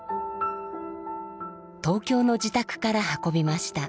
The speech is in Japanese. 東京の自宅から運びました。